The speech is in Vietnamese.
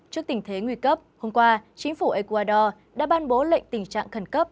trước tình thế nguy cấp hôm qua chính phủ ecuador đã ban bố lệnh tình trạng khẩn cấp